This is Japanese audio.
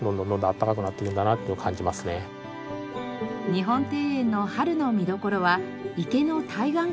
日本庭園の春の見どころは池の対岸から見る桜です。